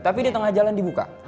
tapi di tengah jalan dibuka